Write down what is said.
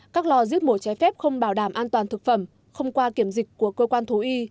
các lò giết mổ trái phép không bảo đảm an toàn thực phẩm không qua kiểm dịch của cơ quan thú y